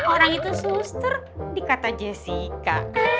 orang itu suster di kata jessica